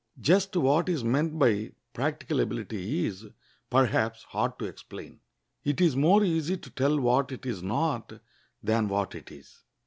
Just what is meant by practical ability is, perhaps, hard to explain. It is more easy to tell what it is not than what it is.